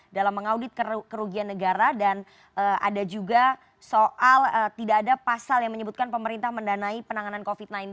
dalam mengaudit kerugian negara dan ada juga soal tidak ada pasal yang menyebutkan pemerintah mendanai penanganan covid sembilan belas